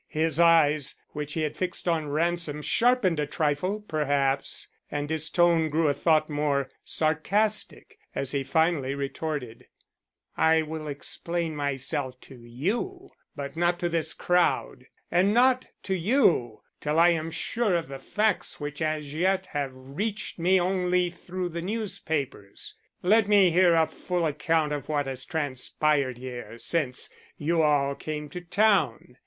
His eyes, which he had fixed on Ransom, sharpened a trifle, perhaps, and his tone grew a thought more sarcastic as he finally retorted: "I will explain myself to you but not to this crowd. And not to you till I am sure of the facts which as yet have reached me only through the newspapers. Let me hear a full account of what has transpired here since you all came to town.